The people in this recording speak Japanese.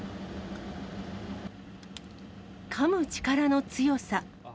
かむ力の強さ。